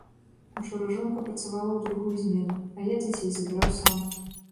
Учора жонка працавала ў другую змену, а я дзяцей забіраў сам.